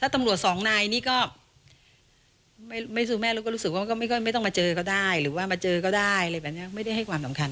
ตำรวจสองนายนี่ก็ไม่ซื้อแม่แล้วก็รู้สึกว่าก็ไม่ต้องมาเจอก็ได้หรือว่ามาเจอก็ได้อะไรแบบนี้ไม่ได้ให้ความสำคัญ